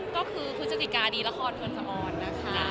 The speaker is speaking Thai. ก็คือคุณเจติกาดีรักษณ์เฟิลสะอ่อนนะคะ